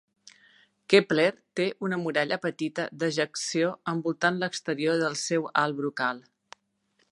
Kepler té una muralla petita d'ejecció envoltant l'exterior del seu alt brocal.